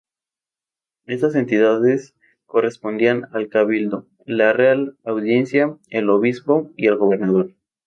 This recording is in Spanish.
Estas entidades correspondían al Cabildo, la Real Audiencia, el obispo, y el gobernador.